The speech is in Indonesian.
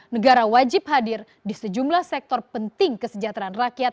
negara wajib hadir di sejumlah sektor penting kesejahteraan rakyat